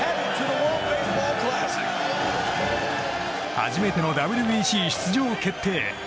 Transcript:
初めてのＷＢＣ出場決定。